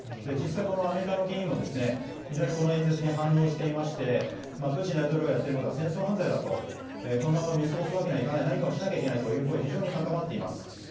実際、アメリカの議員も、非常にこの演説に反応していましてプーチン大統領がやっていることは戦争犯罪だとこのまま見過ごすわけにはいかない何かをしなきゃいけないという声が非常に高まっています。